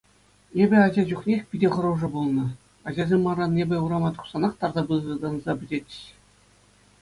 Эпӗ ача чухнех питӗ хӑрушӑ пулнӑ, ачасем манран эпӗ урама тухсанах тарса пытанса пӗтетчӗҫ.